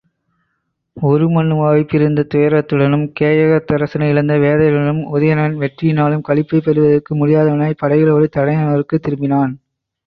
உருமண்ணுவாவைப் பிரிந்த துயரத்துடனும் கேகயத்தரசனை இழந்த வேதனையுடனும் உதயணன் வெற்றியினாலும் களிப்பைப் பெறுவதற்கு முடியாதவனாய்ப் படைகளோடு தலைநகருக்குத் திரும்பினான்.